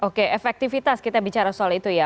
oke efektivitas kita bicara soal itu ya